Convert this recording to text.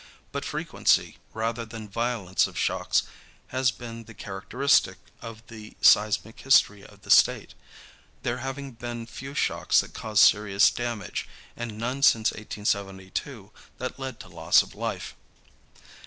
But frequency rather than violence of shocks has been the characteristic of the seismic history of the State, there having been few shocks that caused serious damage, and none since 1872 that led to loss of life.